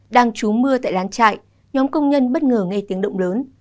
đang trú mưa tại lán chạy nhóm công nhân bất ngờ nghe tiếng động lớn